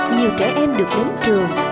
nhiều trẻ em được đến trường